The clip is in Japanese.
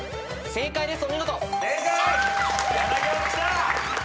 正解です。